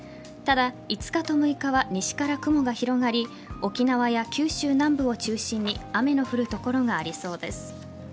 ただ、５日と６日は西から雲が広がり沖縄や九州南部を中心に雨の降るところがありそうです。